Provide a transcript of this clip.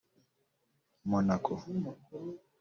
Monacco